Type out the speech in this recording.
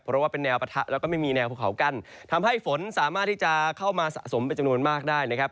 เพราะว่าเป็นแนวปะทะแล้วก็ไม่มีแนวภูเขากั้นทำให้ฝนสามารถที่จะเข้ามาสะสมเป็นจำนวนมากได้นะครับ